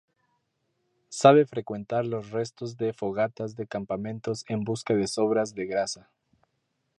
Sabe frecuentar los restos de fogatas de campamentos en busca de sobras de grasa.